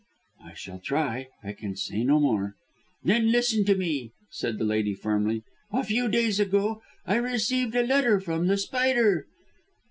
"I shall try; I can say no more." "Then listen to me," said the lady firmly. "A few days ago I received a letter from The Spider."